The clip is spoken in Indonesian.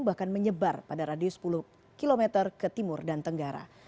bahkan menyebar pada radius sepuluh km ke timur dan tenggara